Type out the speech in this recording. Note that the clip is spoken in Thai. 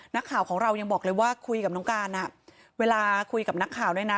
นักข่าวของเรายังบอกเลยว่าคุยกับน้องการอ่ะเวลาคุยกับนักข่าวด้วยนะ